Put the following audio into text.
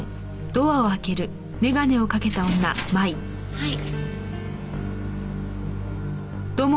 はい。